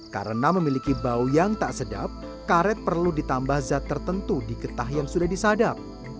karena memiliki bau yang tak sedap karet perlu ditambah zat tertentu di getah yang sudah disadap